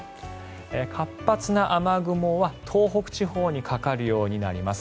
活発な雨雲は東北地方にかかるようになります。